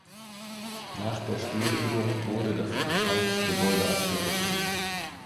Nach der Stilllegung wurde das Empfangsgebäude abgerissen.